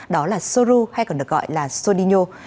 đó là sô lô